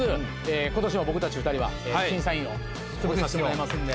今年も僕たち２人は審査員を務めさせてもらいますんで。